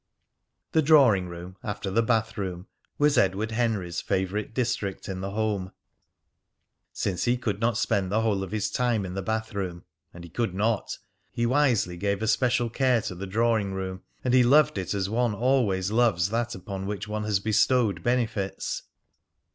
The drawing room, after the bathroom, was Edward Henry's favourite district in the home. Since he could not spend the whole of his time in the bathroom, and he could not! he wisely gave a special care to the drawing room, and he loved it as one always loves that upon which one has bestowed benefits.